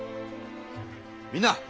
みんな！